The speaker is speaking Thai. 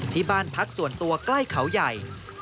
ที่บ้านพักส่วนตัวใกล้เขาใหญ่